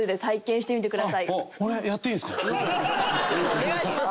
お願いします。